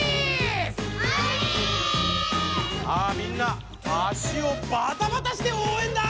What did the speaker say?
さあみんな足をバタバタしておうえんだ！